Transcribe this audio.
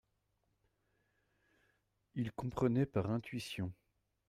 Il comprenait par intuition.